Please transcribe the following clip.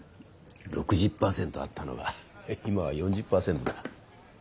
６０％あったのが今は４０％だ。